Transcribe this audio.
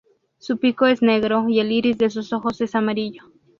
Su pico es negro y el iris de sus ojos es amarillo.